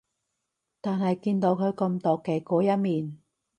但係見到佢咁妒忌嗰一面